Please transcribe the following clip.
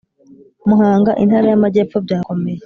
Muhanga Intara y Amajyepfo byakomeye